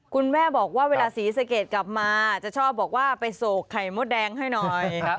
คุณแม่บอกว่าเวลาศรีสะเกดกลับมาจะชอบบอกว่าไปโศกไข่มดแดงให้หน่อย